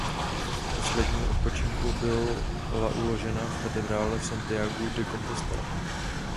K poslednímu odpočinku byla uložena v katedrále v Santiagu de Compostela.